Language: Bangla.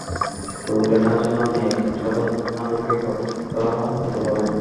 লোক দেখানোর জন্য আপনি এক সাধারণ নাগরিকের কথা কত ভাবেন!